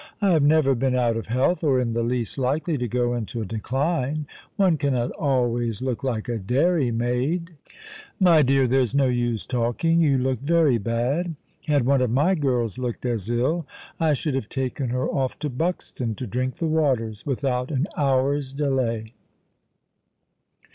"I have never been out of health, or in the least likely to go into a decline. One cannot always look like a dairy maid." " My dear, there's no use talking, you looked very bad. Had one of my girls looked as ill, I should have taken her off to Buxton to drink the waters, without an hour's delay."